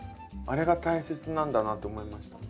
あれが大切なんだなと思いました。